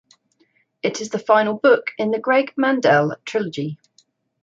It is the final book in the Greg Mandel trilogy.